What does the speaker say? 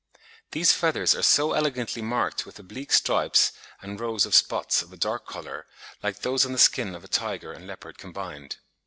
These feathers are also elegantly marked with oblique stripes and rows of spots of a dark colour, like those on the skin of a tiger and leopard combined.